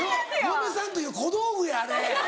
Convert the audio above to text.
嫁さんという小道具やあれ。